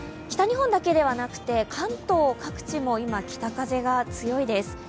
北日本だけではなくて関東各地も今、北風が強いです。